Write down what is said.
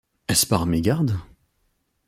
Était-ce par mégarde ?